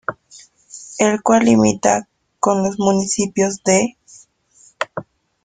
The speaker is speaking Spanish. El cual limita con los municipios de.